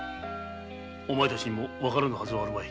お前たちにも分からぬはずはあるまい。